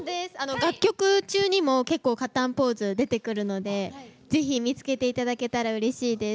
楽曲中にも結構、勝たんポーズ出てくるのでぜひ見つけていただけたらうれしいです。